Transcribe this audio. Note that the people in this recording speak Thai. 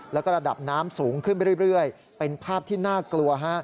แล้วก็ระดับน้ำสูงขึ้นไปเรื่อยเป็นภาพที่น่ากลัวฮะ